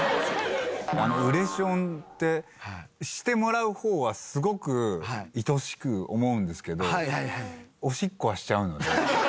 あのうれションってしてもらう方はすごくいとしく思うんですけどおしっこはしちゃうので。